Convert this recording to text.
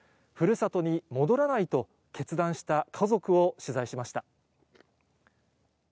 ふるさとに戻らないと決断した家族を取材しました。